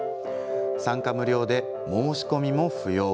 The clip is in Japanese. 参加無料で申し込みも不要。